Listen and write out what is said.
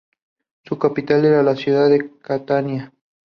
Su capital era la ciudad de Catania.